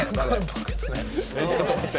僕っすね。